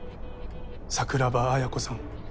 桜庭彩子さん。